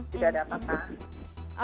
sudah ada fakta